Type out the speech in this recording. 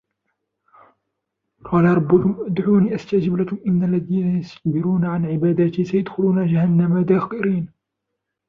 وقال ربكم ادعوني أستجب لكم إن الذين يستكبرون عن عبادتي سيدخلون جهنم داخرين